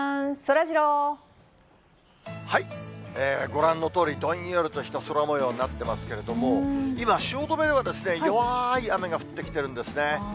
ご覧のとおり、どんよりとした空もようになってますけども、今、汐留は弱い雨が降ってきてるんですね。